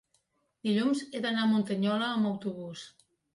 dilluns he d'anar a Muntanyola amb autobús.